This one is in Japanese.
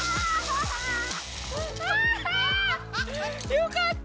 よかった！